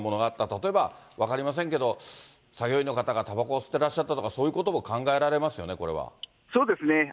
例えば、分かりませんけど、作業員の方がたばこを吸ってらっしゃったとか、そういうことも考そうですね。